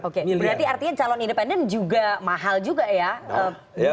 oke berarti artinya calon independen juga mahal juga ya